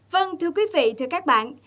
vâng thưa quý vị thưa các bạn